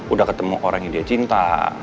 udah ketemu orang yang dia cinta